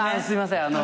すいません。